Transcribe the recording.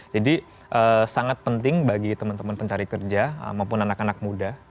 jadi sangat penting bagi teman teman pencari kerja maupun anak anak muda